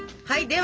はい。